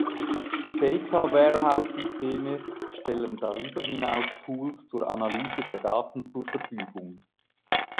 Data Warehouse Systeme stellen darüber hinaus Tools zur Analyse der Daten zur Verfügung.